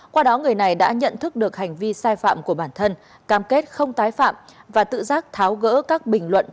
qua đó người này đã nhận thức được hành vi sai phạm của bản thân cam kết không tái phạm và tự giác tháo gỡ các bình luận